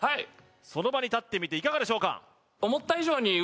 その場に立ってみていかがでしょうか？